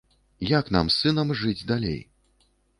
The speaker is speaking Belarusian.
Як нам з сынам жыць далей?